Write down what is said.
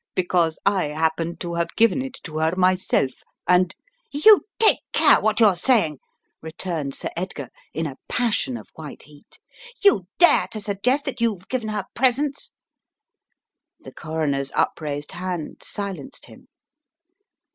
"Because I happened to have given it to her myself and " "You take care what you're saying," returned Sir Edgar in a passion of white heat. "You dare to suggest that you've given her presents." The Coroner's upraised hand silenced hin.